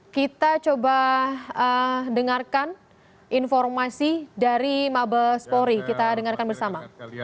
kita coba dengarkan informasi dari mabespori kita dengarkan bersama